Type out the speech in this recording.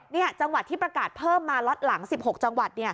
นี่จังหวัดที่ประกาศเพิ่มมาล็อตหลัง๑๖จังหวัด